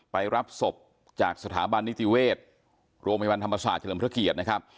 รับศพจากสถาบันนิติเวชโรงพยาบาลธรรมศาสตร์เฉลิมพระเกียรตินะครับ